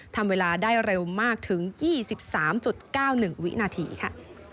ทำเวลาได้เร็วมากถึง๒๓๙๑วินาทีค่ะ